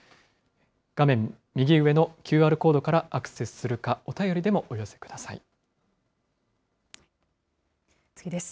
画面右上のＱＲコードからアクセスするか、お便りでもお寄せくだ次です。